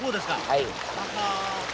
はい。